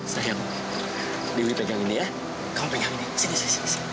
sayang dewi pegang ini ya kamu pegang di sini sini